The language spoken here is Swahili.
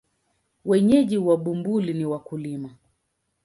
Wenyeji wa Bumbuli ni wakulima.